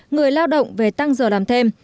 người lao động về tăng giờ làm thêm